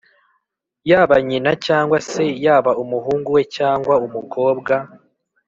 yaba nyina cyangwa se yaba umuhungu we cyangwa umukobwa